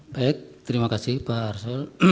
baik terima kasih pak arsul